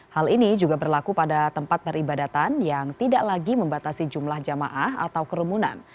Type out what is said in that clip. hal ini juga berlaku pada tempat peribadatan yang tidak lagi membatasi jumlah jamaah atau kerumunan